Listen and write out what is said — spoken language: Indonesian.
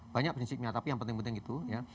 banyak prinsipnya tapi yang penting penting gitu ya